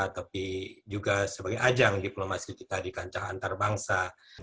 tapi juga sebagai ajang diplomasi kita di kancah antarbangsa